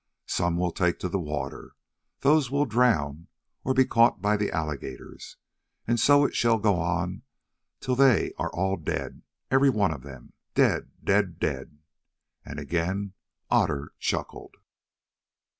Some will take to the water, those will drown or be caught by the alligators, and so it shall go on till they are all dead, every one of them, dead, dead, dead!" and again Otter chuckled.